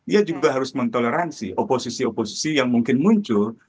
ia juga harus mentoleransi oposisi oposisi yang mungkin muncul